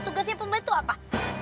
tugasnya pembantu apa